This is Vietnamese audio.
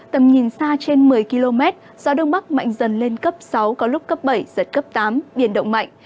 tầm nhìn xa trên một mươi km gió đông bắc mạnh dần lên cấp sáu có lúc cấp bảy giật cấp tám biển động mạnh